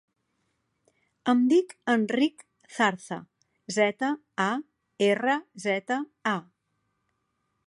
Em dic Enric Zarza: zeta, a, erra, zeta, a.